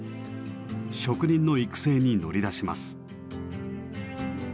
職人の育成に乗り出します。